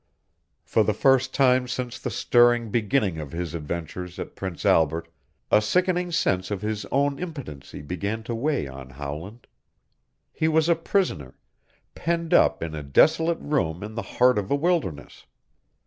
For the first time since the stirring beginning of his adventures at Prince Albert a sickening sense of his own impotency began to weigh on Howland. He was a prisoner penned up in a desolate room in the heart of a wilderness.